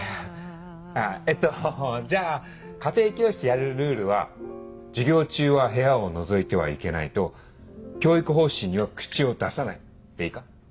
えっとじゃあ家庭教師やるルールは「授業中は部屋をのぞいてはいけない」と「教育方針には口を出さない」でいいか？